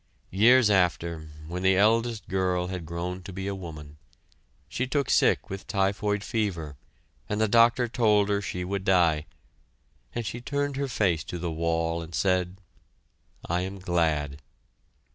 Years after, when the eldest girl had grown to be a woman, she took sick with typhoid fever and the doctor told her she would die, and she turned her face to the wall and said: "I am glad."